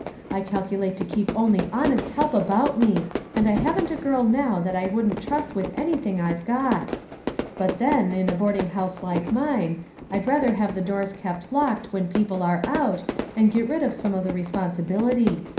I calculate to keep only honest help about me, and I haven't a girl now that I wouldn't trust with anything I've got; but then, in a boarding house like mine, I'd rather have the doors kept locked when people are out, and get rid of some of the re sponsibility.